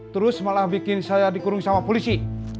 terus malah bikin saya dikurung sama polisi